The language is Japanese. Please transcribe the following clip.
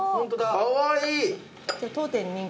かわいい！